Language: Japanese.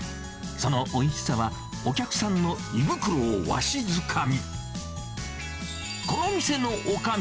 そのおいしさは、お客さんの胃袋をわしづかみ。